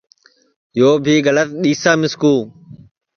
یو بھی گلت دِؔسا مِسکُو